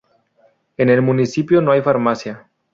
En el municipio no hay farmacia.